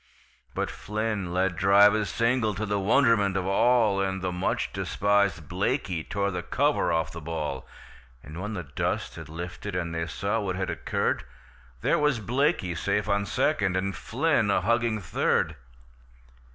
But Flynn let drive a single to the wonderment of all, And the much despisèd Blaikie tore the cover off the ball; And when the dust had lifted, and they saw what had occurred, There was Blaikie safe on second and Flynn a hugging third!